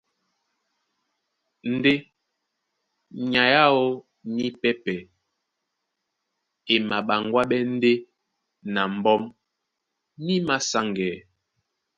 Ndé nyay aó nípɛ́pɛ̄ e maɓaŋgwáɓɛ́ ndeé na mbɔ́m ní māsáŋgɛɛ́.